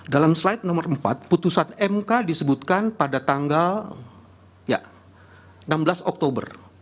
dalam slide nomor empat putusan mk disebutkan pada tanggal enam belas oktober